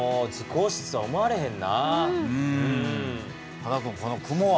多田君この雲は？